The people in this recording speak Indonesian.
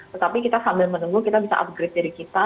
tetapi kita sambil menunggu kita bisa upgrade diri kita